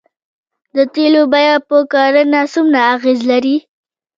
د تیلو بیه په کرنه څومره اغیز لري؟